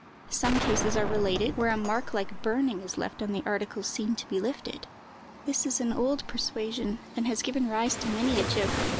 Some cases are related, where a mark like burning is left on the articles seen to be lifted. This is an old persuasion, and has given rise to many a joke.